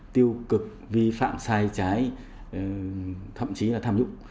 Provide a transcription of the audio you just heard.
tiêu cực vi phạm sai trái thậm chí là tham nhũng